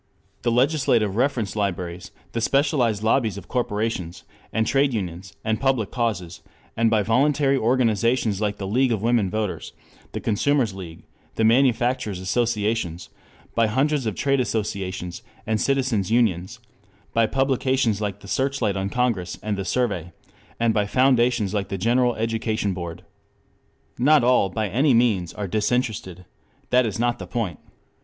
] the legislative reference libraries, the specialized lobbies of corporations and trade unions and public causes, and by voluntary organizations like the League of Women Voters, the Consumers' League, the Manufacturers' Associations: by hundreds of trade associations, and citizens' unions; by publications like the Searchlight on Congress and the Survey; and by foundations like the General Education Board. Not all by any means are disinterested. That is not the point.